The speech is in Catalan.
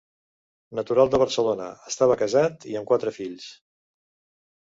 Natural de Barcelona, estava casat i amb quatre fills.